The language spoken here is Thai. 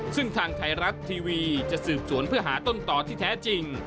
ซึ่งทางไทยรัฐทีวีจะสืบสวนเพื่อหาต้นต่อที่แท้จริง